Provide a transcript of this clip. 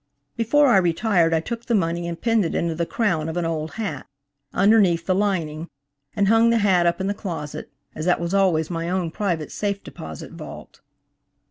Before I retired I took the money and pinned it into the crown of an old hat, underneath the lining, and hung the hat up in the closet, as that was always my own private safe deposit vault.